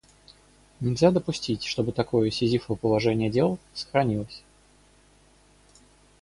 Нельзя допустить, чтобы такое «сизифово» положение дел сохранялось.